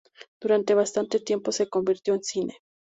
Durante bastante tiempo se convirtió en cine.